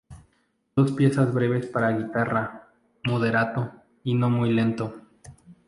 Dos piezas breves para guitarra "Moderato" y "No muy lento".